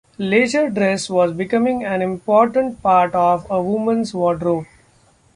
Leisure dress was becoming an important part of a woman's wardrobe.